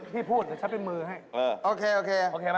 พี่พูดเดี๋ยวฉันเป็นมือให้นะโอเคไหม